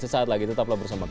sesaat lagi tetaplah bersama kami